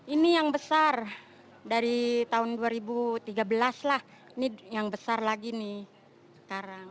ini yang besar dari tahun dua ribu tiga belas lah ini yang besar lagi nih sekarang